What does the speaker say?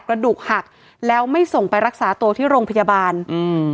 กระดูกหักแล้วไม่ส่งไปรักษาตัวที่โรงพยาบาลอืม